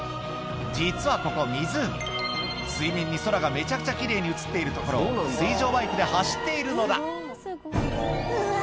実はここ湖水面に空がめちゃくちゃ奇麗に映っている所を水上バイクで走っているのだうわ